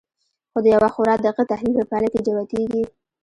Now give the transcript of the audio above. خو د یوه خورا دقیق تحلیل په پایله کې جوتېږي